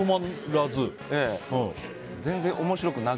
全然面白くなく。